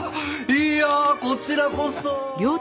いえこちらこそ。